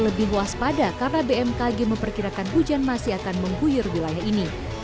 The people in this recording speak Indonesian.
lebih waspada karena bmkg memperkirakan hujan masih akan mengguyur wilayah ini